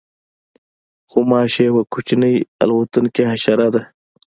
غوماشه یوه کوچنۍ الوتونکې حشره ده.